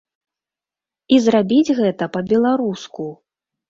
І зрабіць гэта па-беларуску.